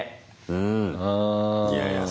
うん。